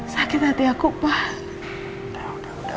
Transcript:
sakit hati aku pak